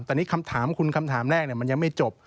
แต่นี่คำถามคุณคำถามแรกมันยังไม่จบ